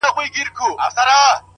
دا دی گيلاس چي تش کړؤ دغه دی توبه کومه